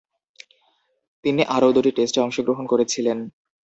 তিনি আরও দুই টেস্টে অংশগ্রহণ করেছিলেন।